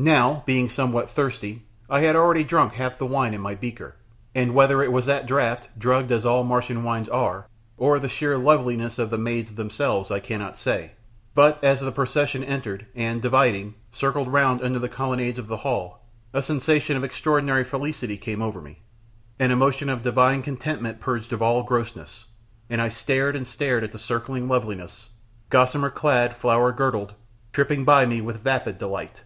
Now, being somewhat thirsty, I had already drunk half the wine in my beaker, and whether it was that draught, drugged as all Martian wines are, or the sheer loveliness of the maids themselves, I cannot say, but as the procession entered, and, dividing, circled round under the colonnades of the hall, a sensation of extraordinary felicity came over me an emotion of divine contentment purged of all grossness and I stared and stared at the circling loveliness, gossamer clad, flower girdled, tripping by me with vapid delight.